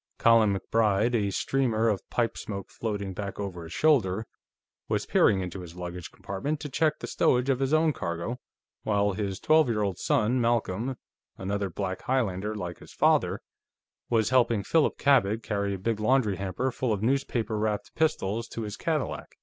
Colin MacBride, a streamer of pipe smoke floating back over his shoulder, was peering into his luggage compartment to check the stowage of his own cargo, while his twelve year old son, Malcolm, another black Highlander like his father, was helping Philip Cabot carry a big laundry hamper full of newspaper wrapped pistols to his Cadillac.